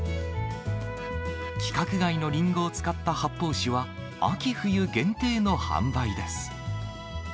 規格外のリンゴを使った発泡酒は、秋冬限定の販売です。